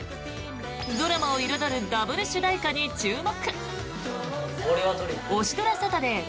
ドラマを彩るダブル主題歌に注目！